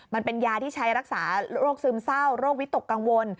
มันเป็นยาที่ใช้รักษาโรคซึมเศร้าโรควิตกกังวล